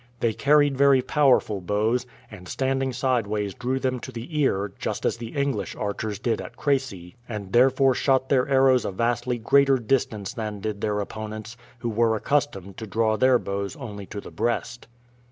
They carried very powerful bows, and standing sideways drew them to the ear, just as the English archers did at Crecy, and therefore shot their arrows a vastly greater distance than did their opponents, who were accustomed to draw their bows only to the breast.